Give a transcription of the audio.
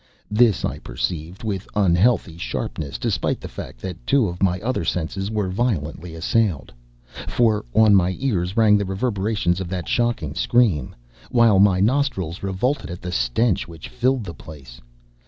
This I perceived with unhealthy sharpness despite the fact that two of my other senses were violently assailed. For on my ears rang the reverberations of that shocking scream, while my nostrils revolted at the stench which filled the place.